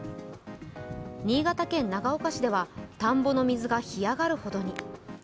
新潟県長岡市では田んぼの水が干上がるほどに。